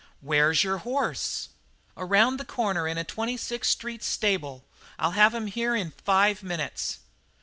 "Where's your horse?" "Around the corner in a Twenty sixth Street stable. I'll have him here in five minutes."